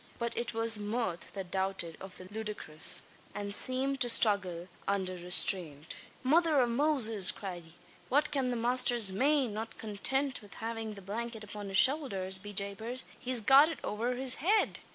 But it was mirth that doubted of the ludicrous; and seemed to struggle under restraint. "Mother av Moses!" cried he. "What can the masther mane? Not contint with havin' the blankyet upon his showldhers, be japers, he's got it over his head!